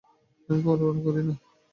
আমি পরোয়া করি না।